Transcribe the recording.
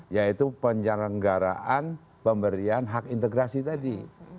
yaitu penyelenggaraan pemberian hak integrasi tadi